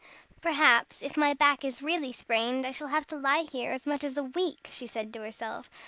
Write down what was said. "Perhaps, if my back is really sprained, I shall have to lie here as much as a week," she said to herself.